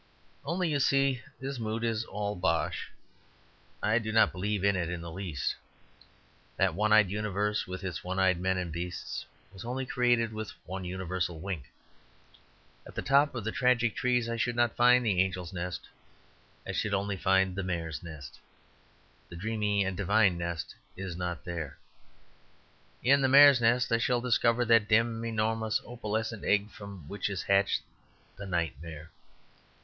Only, you see, this mood is all bosh. I do not believe in it in the least. That one eyed universe, with its one eyed men and beasts, was only created with one universal wink. At the top of the tragic trees I should not find the Angel's Nest. I should only find the Mare's Nest; the dreamy and divine nest is not there. In the Mare's Nest I shall discover that dim, enormous opalescent egg from which is hatched the Nightmare.